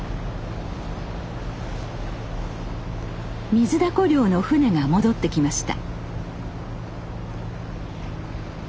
ミズダコ漁の船が戻ってきました。